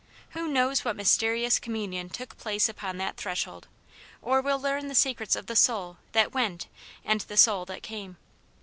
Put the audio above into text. Who knows what mysterious communion took place upon that threshold, or will learn the secrets of the soul that went and the soul that came